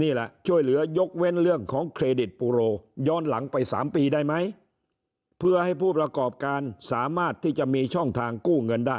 นี่แหละช่วยเหลือยกเว้นเรื่องของเครดิตปูโรย้อนหลังไป๓ปีได้ไหมเพื่อให้ผู้ประกอบการสามารถที่จะมีช่องทางกู้เงินได้